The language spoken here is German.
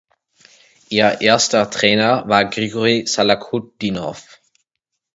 Ihr erster Trainer war Grigory Salakhutdinov.